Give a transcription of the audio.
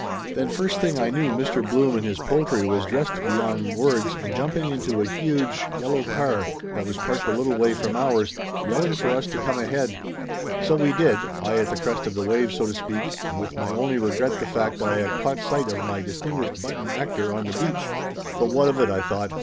Then first thing I knew Mr. Blum and his poultry was dressed beyond words and jumping into a huge 94 Laughter Limited yellow car that was parked a little way from ours, yell ing for us to come ahead. So we did, I at the crest of the wave, so to speak, and with my only regret the fact that I had caught sight of my distinguished button actor on the beach. "But what of it?" I thought.